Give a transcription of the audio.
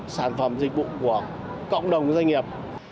sản phẩm dịch vụ của cộng đồng doanh nghiệp